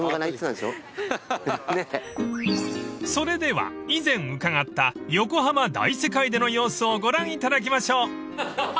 ［それでは以前伺った横浜大世界での様子をご覧いただきましょう］